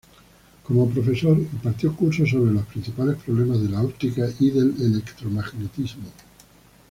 Como profesor impartió cursos sobre los principales problemas de la óptica y del electromagnetismo.